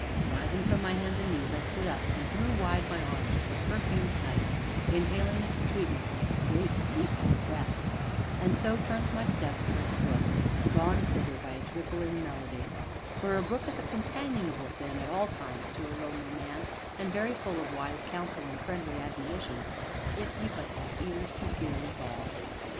Rising from my hands and knees, I stood up and threw wide my arms to the perfumed night, inhaling its sweetness in great, deep breaths, and so turned my steps towards the brook, drawn thither by its rippling melody; for a brook is a companionable thing, at all times, to a lonely man, and very full of wise counsel and friendly admonitions, if he but have ears to hear withal.